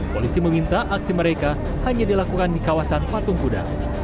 polisi meminta aksi mereka hanya dilakukan di kawasan patung kuda